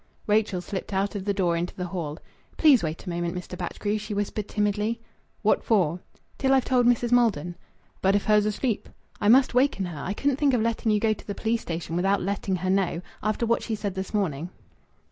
Rachel slipped out of the door into the hall. "Please wait a moment, Mr. Batchgrew," she whispered timidly. "What for?" "Till I've told Mrs. Maldon." "But if her's asleep?" "I must waken her. I couldn't think of letting you go to the police station without letting her know after what she said this morning."